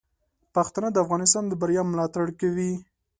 پښتانه د افغانستان د بریا ملاتړ کوي.